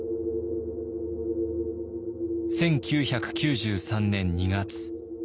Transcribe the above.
１９９３年２月。